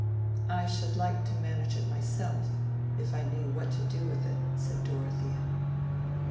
"I should like to manage it myself, if I knew what to do with it," said Dorothea.